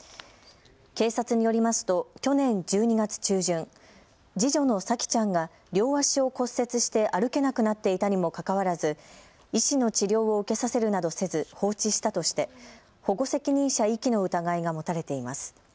警察によりますと去年１２月中旬、次女の沙季ちゃんが両足を骨折して歩けなくなっていたにもかかわらず医師の治療を受けさせるなどせず放置したとして保護責任者遺棄の疑いが持たれています。